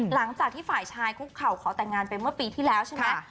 หลังจากที่ฝ่ายชายคุกเข่าขอแต่งงานไปเมื่อปีที่แล้วใช่ไหม